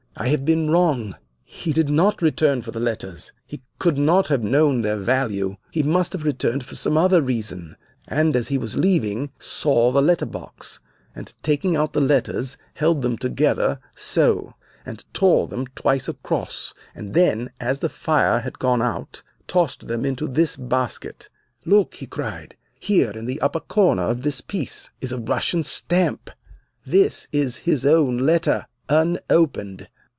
I have been wrong. He did not return for the letters. He could not have known their value. He must have returned for some other reason, and, as he was leaving, saw the letter box, and taking out the letters, held them together so and tore them twice across, and then, as the fire had gone out, tossed them into this basket. Look!' he cried, 'here in the upper corner of this piece is a Russian stamp. This is his own letter unopened!